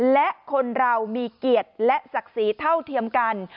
และคนเรามีเกียรติและศักดิ์ศรีเท่าเทียมกัน